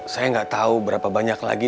saya nggak tahu berapa banyak lagi